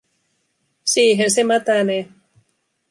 Siihen se mätänee.